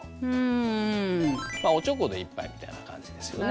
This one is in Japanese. まあおちょこで一杯みたいな感じですよね。